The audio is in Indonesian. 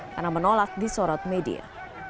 karena menolak disorot media